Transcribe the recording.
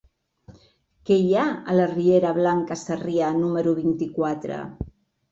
Què hi ha a la riera Blanca Sarrià número vint-i-quatre?